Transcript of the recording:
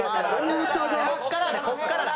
ここからだここからだ。